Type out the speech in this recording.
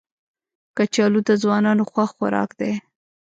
کچالو د ځوانانو خوښ خوراک دی